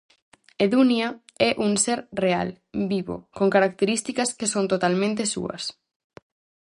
Edunia é un ser real, vivo, con características que son totalmente súas.